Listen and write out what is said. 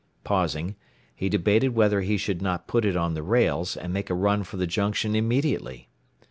Pausing, he debated whether he should not put it on the rails, and make a run for the junction immediately.